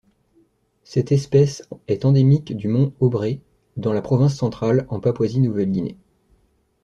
Cette espèce est endémique du mont Obree dans la province centrale en Papouasie-Nouvelle-Guinée.